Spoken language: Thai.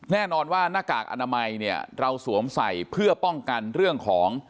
แน่นอนว่าหน้ากากอนามัยเนี่ยเราสวมใส่เพื่อป้องกันเรื่องของ